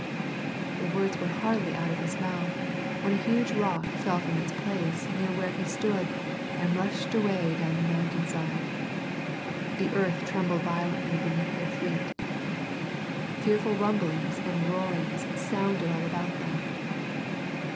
The words were hardly out of his mouth when a huge rock fell from its place near where he stood and rushed away down the mountainside. The earth trembled violently beneath their feet. Fearful rumblings and roarings sounded all about them.